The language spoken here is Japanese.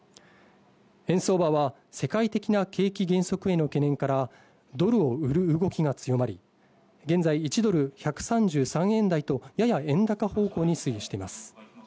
円相場は世界的な景気減速への懸念から、ドルを売る動きが強まり、現在１ドル＝１３３円台とやや円高方向に推移しています。